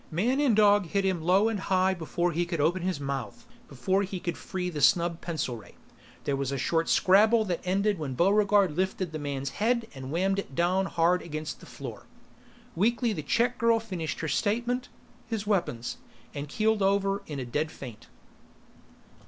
Man and dog hit him low and high before he could open his mouth, before he could free the snub pencil ray. There was a short scrabble that ended when Buregarde lifted the man's head and whammed it down hard against the floor. Weakly, the check girl finished her statement, "...His weapons!" and keeled over in a dead faint.